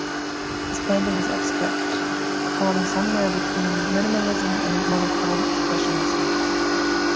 His painting is abstract, falling somewhere between minimalism and monochrome expressionism.